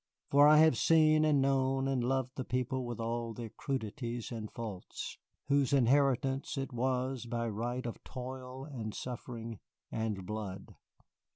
For I have seen and known and loved the people with all their crudities and faults, whose inheritance it was by right of toil and suffering and blood.